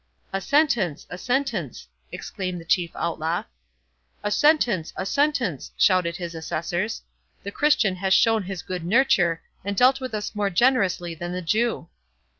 "A sentence!—a sentence!" exclaimed the chief Outlaw. "A sentence!—a sentence!" shouted his assessors; "the Christian has shown his good nurture, and dealt with us more generously than the Jew."